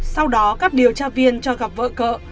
sau đó các điều tra viên cho gặp vợ cậ